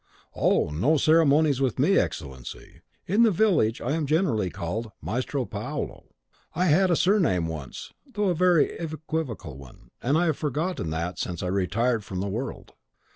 "Oh, no ceremonies with me, Excellency. In the village I am generally called Maestro Paolo. I had a surname once, though a very equivocal one; and I have forgotten THAT since I retired from the world."